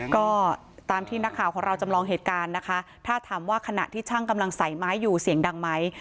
ก็ตามที่นักข่าวของเราจำลองเหตุการณ์นะคะถ้าถามว่าขณะที่ช่างกำลังใส่ไม้อยู่เสียงดังไหม